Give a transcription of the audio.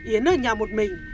yến ở nhà một mình